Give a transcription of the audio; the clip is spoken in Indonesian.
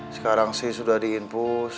sekarang sih sudah diimpus